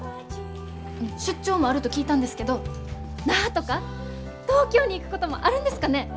出張もあると聞いたんですけど那覇とか東京に行くこともあるんですかね？